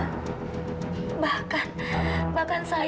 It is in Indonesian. bahkan bahkan saya juga tidak setuju dengan hukuman kamu dan fadil